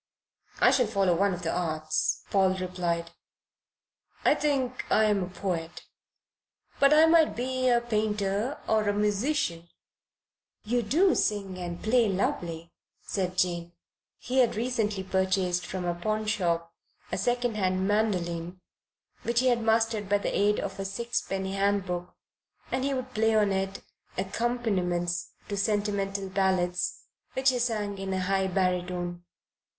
"I shall follow one of the arts," Paul replied. "I think I am a poet, but I might be a painter or a musician." "You do sing and play lovely," said Jane. He had recently purchased from a pawnshop a second hand mandoline, which he had mastered by the aid of a sixpenny handbook, and he would play on it accompaniments to sentimental ballads which he sang in a high baritone.